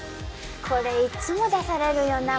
これいつも出されるよな。